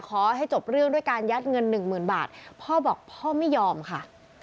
ขอให้จบเรื่องด้วยการยัดเงินหนึ่งหมื่นบาทพ่อบอกพ่อไม่ยอมค่ะ